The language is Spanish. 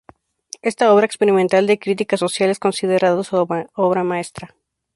Esta obra experimental de crítica social es considerada su obra maestra.